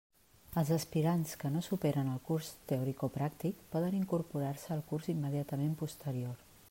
Els aspirants que no superen el curs teoricopràctic poden incorporar-se al curs immediatament posterior.